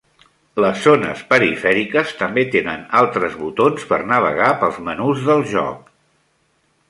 Les zones perifèriques també tenen altres botons per navegar pels menús del joc.